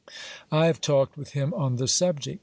I have talked with him on the subject.